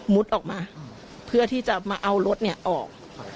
มุดออกมาเพื่อที่จะเอารถออก